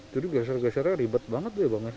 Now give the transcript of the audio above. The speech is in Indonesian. jadi geser gesernya ribet banget ya bang